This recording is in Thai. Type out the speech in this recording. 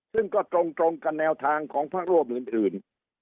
ซึ่งก็ตรงกับแนวทางของพักร่วมอื่น